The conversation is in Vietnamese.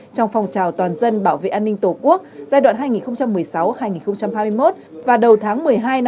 trong phong trào toàn dân bảo vệ an ninh tổ quốc giai đoạn hai nghìn một mươi sáu hai nghìn hai mươi một và đầu tháng một mươi hai hai nghìn hai mươi hai